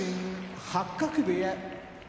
八角部屋